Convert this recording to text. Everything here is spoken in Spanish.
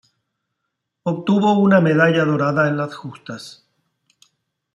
Obtuvo una medalla dorada en las justas.